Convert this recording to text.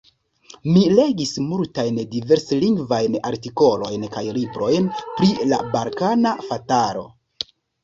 Mi legis multajn, diverslingvajn artikolojn kaj librojn pri la balkana fatalo.